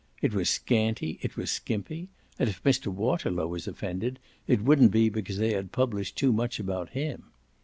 It was scanty, it was "skimpy," and if Mr. Waterlow was offended it wouldn't be because they had published too much about him.